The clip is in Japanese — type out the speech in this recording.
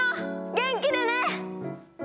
元気でね！